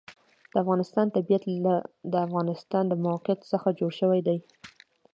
د افغانستان طبیعت له د افغانستان د موقعیت څخه جوړ شوی دی.